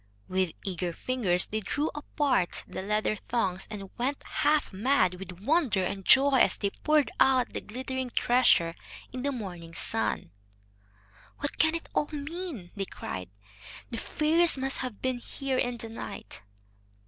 With eager fingers they drew apart the leather thongs, and went half mad with wonder and joy as they poured out the glittering treasure in the morning sun. "What can it all mean?" they cried. "The fairies must have been here in the night."